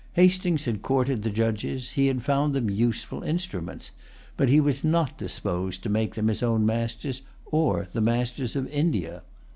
Hastings had courted the judges; he had found them useful instruments. But he was not disposed to make them his own masters, or the masters of India.